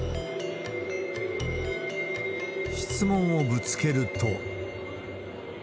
質問をぶつけると。